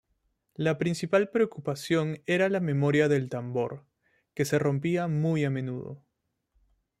La principal preocupación era la memoria de tambor, que se rompía muy a menudo.